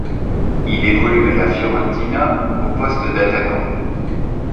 Il évolue à la Fiorentina au poste d'attaquant.